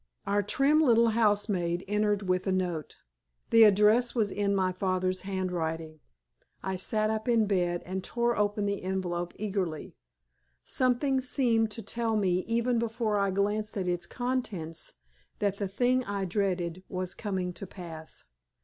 Our trim little housemaid entered with a note; the address was in my father's handwriting. I sat up in bed and tore open the envelope eagerly. Something seemed to tell me even before I glanced at its contents that the thing I dreaded was coming to pass.